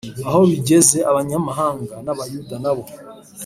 Aho bigeze abanyamahanga n Abayuda na bo